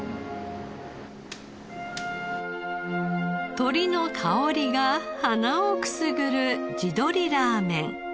鶏の香りが鼻をくすぐる地どりラーメン。